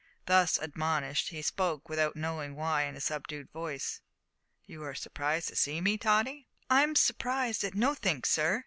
Thus admonished, he spoke, without knowing why in a subdued voice. "You are surprised to see me, Tottie?" "I'm surprised at nothink, sir.